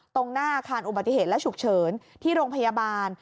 ตรงหน้าอาคารอุบัติเหตุและฉุกเฉินที่โรงพยาบาล